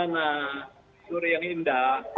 selamat sore yang indah